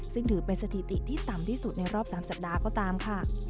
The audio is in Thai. ซึ่งถือเป็นสถิติที่ต่ำที่สุดในรอบ๓สัปดาห์ก็ตามค่ะ